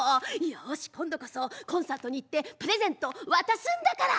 よし今度こそコンサートに行ってプレゼント渡すんだから。